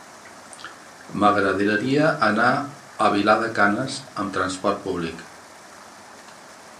M'agradaria anar a Vilar de Canes amb transport públic.